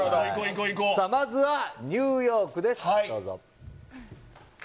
まずはニューヨークです。